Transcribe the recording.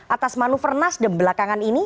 atas manuver nasdem belakangan ini